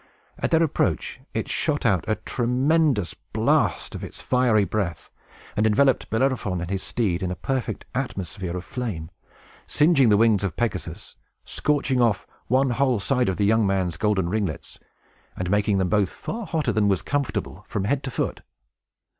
At their approach it shot out a tremendous blast of its fiery breath, and enveloped Bellerophon and his steed in a perfect atmosphere of flame, singeing the wings of Pegasus, scorching off one whole side of the young man's golden ringlets, and making them both far hotter than was comfortable, from head to foot.